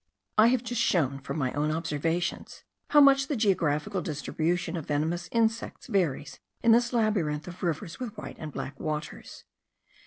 I have just shown, from my own observations, how much the geographical distribution of venomous insects varies in this labyrinth of rivers with white and black waters.